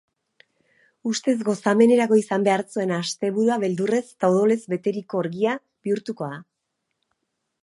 Ustez gozamenerako izan behar zuen asteburua beldurrez eta odolez beteriko orgia bihurtuko da.